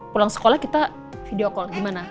pulang sekolah kita video call gimana